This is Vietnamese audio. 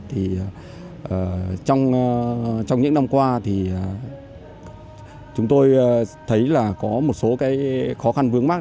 trong những năm qua thì chúng tôi thấy có một số khó khăn vướng mắt